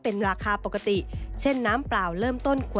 เป็นอย่างไรนั้นติดตามจากรายงานของคุณอัญชาฬีฟรีมั่วครับ